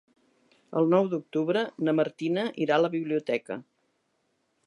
El nou d'octubre na Martina irà a la biblioteca.